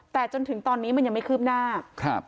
แต่จนถึงตอนนี้มันยังไม่คืบหน้าครับ